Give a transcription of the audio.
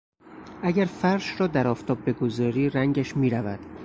اگر فرش را در آفتاب بگذاری رنگش میرود.